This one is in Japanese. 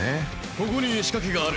ここに仕掛けがある。